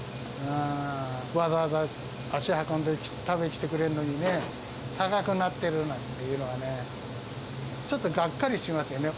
わざわざ足運んで、食べに来てくれるのにね、高くなってるなんていうのはね、ちょっとがっかりしますよね。